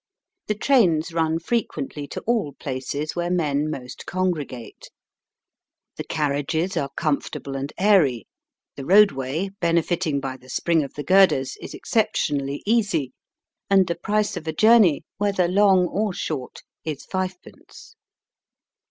The trains run frequently to all places where men most con gregate. The carriages are comfortable and airy, the roadway, benefiting by the spring of the girders, is exceptionally easy, and the price of a journey, whether long or short, is fivepence.